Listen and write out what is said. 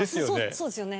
そうですよね。